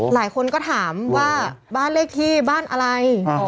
หลายคนก็ถามว่าบ้านเลขที่บ้านอะไร